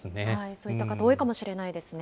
そういった方、多いかもしれないですね。